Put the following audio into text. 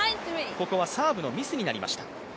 ここはサーブのミスになりました。